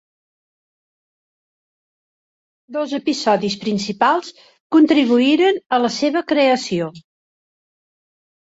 Dos episodis principals contribuïren a la seva creació.